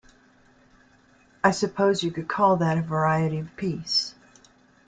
I suppose you could call that a variety of peace.